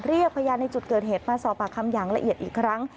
เรียกพยานในจุดเกิดเหตุมาสอบปากคำอย่างละเอียดอีกครั้ง